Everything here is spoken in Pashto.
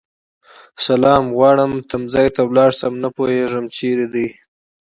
سلام غواړم تمځای ته لاړشم خو نه پوهيږم چیرته دی